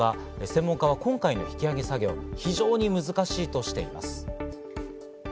専門家は今回の引き揚げ作業、非常に難しいとしています。